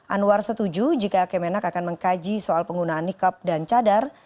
anwar setuju jika kemenak akan mengkaji soal penggunaan nikab dan cadar